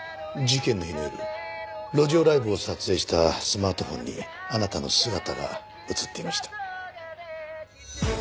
事件の日の夜路上ライブを撮影したスマートフォンにあなたの姿が映っていました。